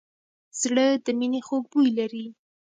زړه د مینې خوږ بوی لري.